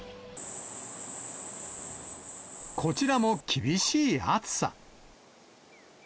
こちらも厳しい暑さ。